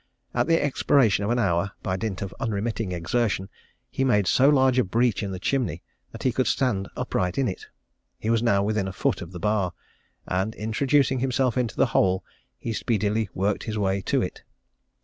At the expiration of an hour, by dint of unremitting exertion, he made so large a breach in the chimney that he could stand upright in it. He was now within a foot of the bar, and introducing himself into the hole, he speedily worked his way to it.